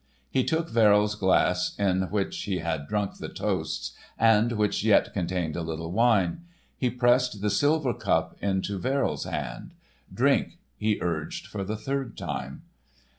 He took Verrill's glass in which he had drunk the toasts and which yet contained a little wine. He pressed the silver cup into Verrill's hands. "Drink," he urged for the third time.